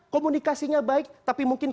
komunikasinya baik tapi mungkin